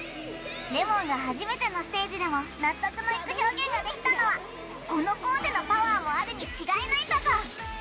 れもんが初めてのステージでも納得のいく表現ができたのはこのコーデのパワーもあるに違いないんだぞ！